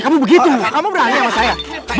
kamu berani sama saya